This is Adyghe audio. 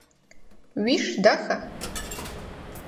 Уиш даха?